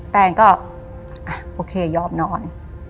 แตนก็โอเคยอมนอน